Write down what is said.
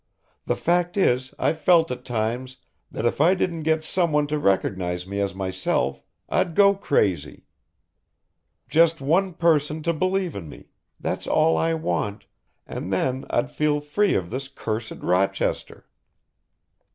The fact is I've felt at times that if I didn't get someone to recognize me as myself I'd go crazy. Just one person to believe in me, that's all I want and then I'd feel free of this cursed Rochester.